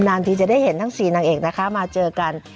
นานทีจะได้เห็นทั้ง๔นางเอกนะคะมาเจอกัน